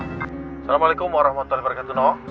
assalamualaikum warahmatullahi wabarakatuh no